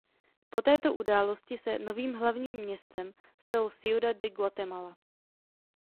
Po této události se novým hlavním městem stalo Ciudad de Guatemala.